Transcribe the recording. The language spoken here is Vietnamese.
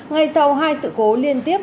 ngay sau hai sự cố liên tiếp